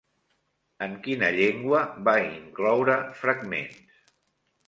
En quina llengua va incloure fragments?